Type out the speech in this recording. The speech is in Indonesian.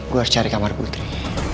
gue harus cari kamar putri